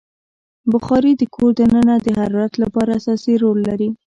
بخاري د کور دننه د حرارت لپاره اساسي رول لري.